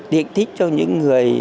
tiện thích cho những người